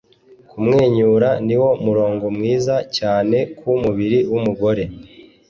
Kumwenyura niwo murongo mwiza cyane ku mubiri wumugore